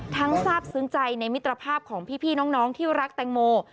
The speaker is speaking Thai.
ทราบซึ้งใจในมิตรภาพของพี่น้องที่รักแตงโม